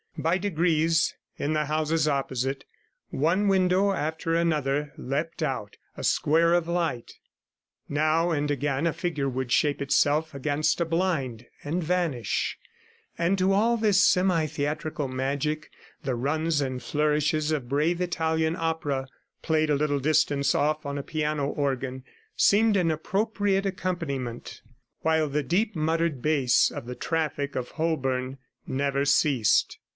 By degrees in the houses opposite one window after another leapt out a square of light; now and again a figure would shape itself against a blind and vanish, and to all this semi theatrical magic the runs and flourishes of brave Italian opera played a little distance off on a piano organ seemed an appropriate accompaniment, while the deep muttered bass of the traffic of Holborn never ceased.